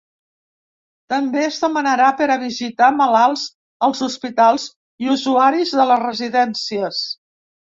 També es demanarà per a visitar malalts als hospitals i usuaris de les residències.